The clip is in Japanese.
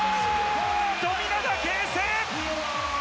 富永啓生！